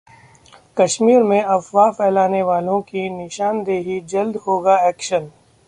कश्मीर में अफवाह फैलाने वालों की निशानदेही, जल्द होगा एक्शन